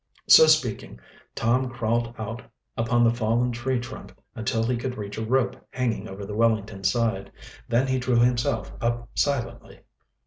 So speaking, Tom crawled out upon the fallen tree trunk until he could reach a rope hanging over the Wellington's side. Then he drew himself up silently.